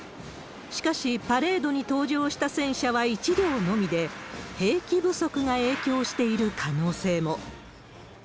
しかし、パレードに登場した戦車は１両のみで、兵器不足が影響している可能性も。